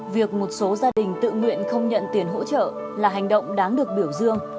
việc một số gia đình tự nguyện không nhận tiền hỗ trợ là hành động đáng được biểu dương